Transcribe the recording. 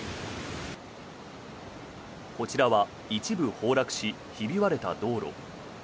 こちらは一部崩落しひび割れた道路。